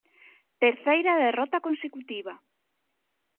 Terceira derrota consecutiva.